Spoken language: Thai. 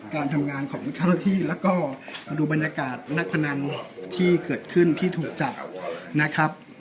การทำงานของเจ้าหน้าที่แล้วก็ดูบรรยากาศนักพนันที่เกิดขึ้นที่ถูกจับนะครับ